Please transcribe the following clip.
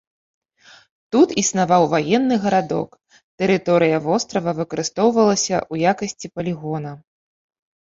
Тут існаваў ваенны гарадок, тэрыторыя вострава выкарыстоўвалася ў якасці палігона.